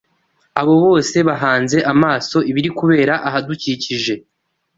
abo bose bahanze amaso ibiri kubera ahadukikije